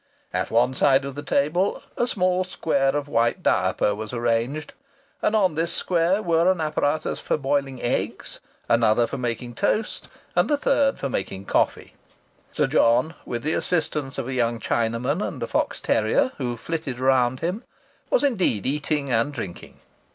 At one side of the table a small square of white diaper was arranged, and on this square were an apparatus for boiling eggs, another for making toast, and a third for making coffee. Sir John, with the assistance of a young Chinaman and a fox terrier, who flitted around him, was indeed eating and drinking.